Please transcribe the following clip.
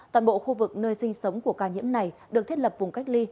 toàn bộ khu vực nơi sinh sống của ca nhiễm này được thiết lập vùng cách ly